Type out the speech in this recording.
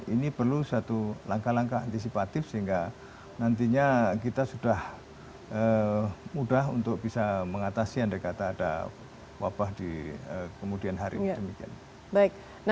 ini perlu satu langkah langkah antisipatif sehingga nantinya kita sudah mudah untuk bisa mengatasi andai kata ada wabah di kemudian hari